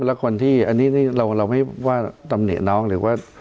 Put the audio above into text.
แล้วคนที่อันนี้เราไม่ว่าตำหนิน้องหรือว่า